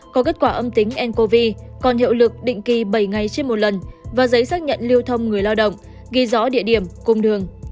có kết quả âm tính ncov còn hiệu lực định kỳ bảy ngày trên một lần và giấy xác nhận lưu thông người lao động ghi rõ địa điểm cung đường